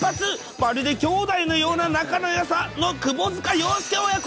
まるで兄弟のような仲のよさの窪塚洋介親子。